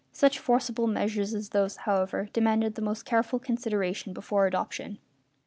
Such forcible measures as those, however, demanded the most careful consideration before adoption.